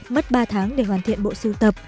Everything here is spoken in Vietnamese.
mất ba tháng để hoàn thiện bộ sưu tập